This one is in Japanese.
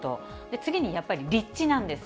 次にやっぱり、立地なんです。